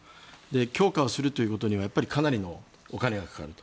強化をするというのはかなりのお金がかかると。